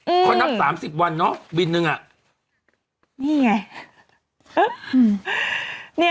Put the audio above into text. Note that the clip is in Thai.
เขานับ๓๐วันเนอะบินหนึ่งนี่ไง